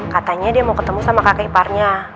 katanya dia mau ketemu sama kakek iparnya